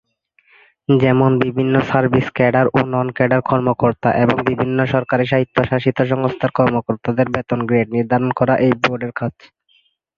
যেমন: বিভিন্ন service cadre ও নন-ক্যাডার কর্মকর্তা এবং বিভিন্ন সরকারি স্বায়ত্তশাসিত সংস্থার কর্মকর্তাদের বেতনের গ্রেড নির্ধারণ করা এই বোর্ডের কাজ।